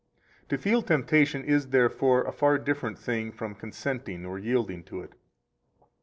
107 To feel temptation is therefore a far different thing from consenting or yielding to it.